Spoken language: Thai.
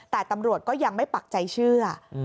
แต่ตำรวจก็ยังไม่ปักใจเชื่อ